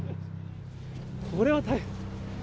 これは大変。